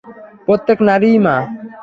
প্রত্যেক নারীই মা।